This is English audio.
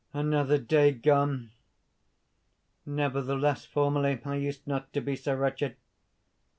another day gone! Nevertheless formerly I used not to be so wretched.